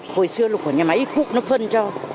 hồi xưa là của nhà máy cục nó phân cho